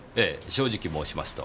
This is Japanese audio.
正直申しますと。